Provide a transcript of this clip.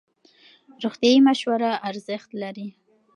روغتیایي مشوره ارزښت لري.